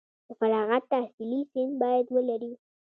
د فراغت تحصیلي سند باید ولري.